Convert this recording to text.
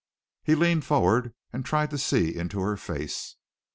He leaned forward, and tried to see into her face.